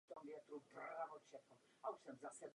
Od něj po asfaltové cestě kolem hřbitova až k bráně kamenolomu.